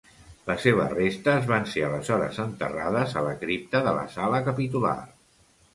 Les seves restes van ser aleshores enterrades a la cripta de la sala capitular.